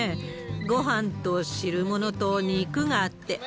ごはんと汁物と肉があって。